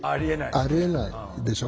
ありえないでしょ？